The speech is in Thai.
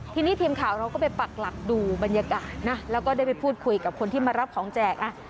ทีนี้ทีมข่าวเราก็ไปปักหลักดูบรรยากาศนะแล้วก็ได้ไปพูดคุยกับคนที่มารับของแจกอ่ะ